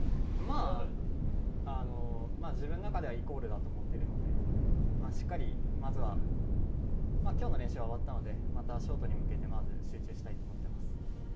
まあ、自分の中ではイコールだと思ってるので、しっかりまずは、きょうの練習は終わったので、またショートに向けて、まず集中したいと思ってます。